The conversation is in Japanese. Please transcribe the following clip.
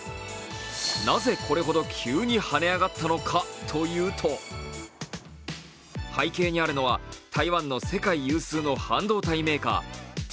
なぜこれほど急にはね上がったのかというと背景にあるのは台湾の世界有数の半導体メーカー